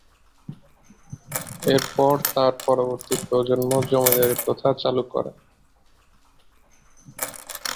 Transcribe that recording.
এরপর তার পরবর্তী প্রজন্ম জমিদারি প্রথা চালু করেন।